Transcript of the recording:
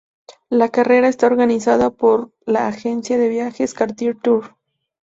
La carrera está organizada por la agencia de viajes Cartier Tour.